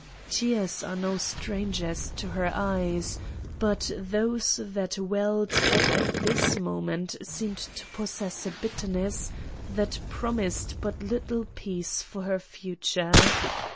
Tears are no strangers to her eyes, but those that welled up at this moment seemed to possess a bitterness that promised but little peace for her future.